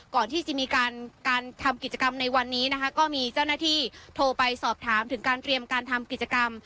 ก่อนที่จะมีการการทำกิจกรรมในวันนี้นะคะก็มีเจ้าหน้าที่โทรไปสอบถามถึงการเตรียมการทำกิจกรรม